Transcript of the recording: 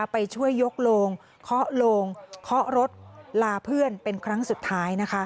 ไปช่วยยกโลงเคาะโลงเคาะรถลาเพื่อนเป็นครั้งสุดท้าย